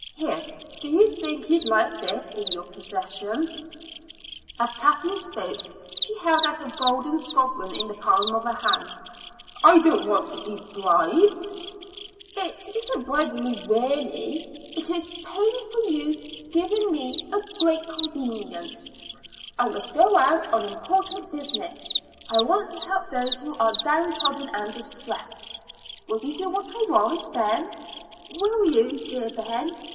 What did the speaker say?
Here, do you think you'd like this in your possession?" As Kathleen spoke she held out a golden sovereign in the palm of her little hand. "I don't want to be bribed." "It isn't bribery really; it is paying you for giving me a great convenience. I must go out on important business. I want to help those who are down trodden and distressed. Will you do what I want, Ben will you, dear Ben?